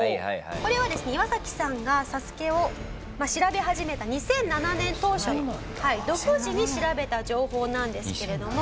これはですねイワサキさんが『ＳＡＳＵＫＥ』を調べ始めた２００７年当初の独自に調べた情報なんですけれども。